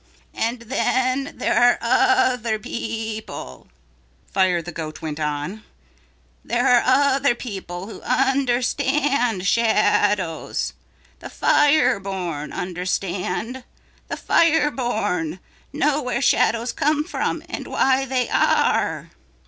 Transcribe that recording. "And then there are other people," Fire the Goat went on. "There are other people who understand shadows. The fire born understand. The fire born know where shadows come from and why they are.